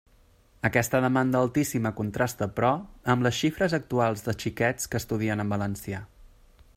Aquesta demanda altíssima contrasta, però, amb les xifres actuals de xiquets que estudien en valencià.